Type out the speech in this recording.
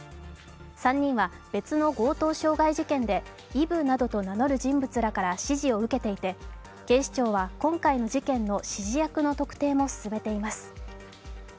３人は別の強盗傷害事件でイブなどと名乗る人物らから指示を受けていて、警視長は今回の事件の指示役の特定も進めています。